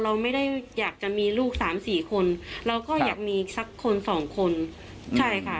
เราไม่ได้อยากจะมีลูกสามสี่คนเราก็อยากมีอีกสักคนสองคนใช่ค่ะ